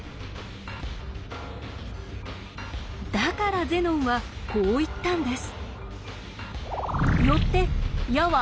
だからゼノンはこう言ったんです。